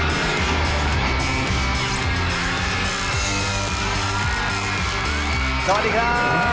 สวัสดีครับ